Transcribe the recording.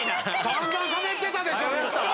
散々しゃべってたでしょ！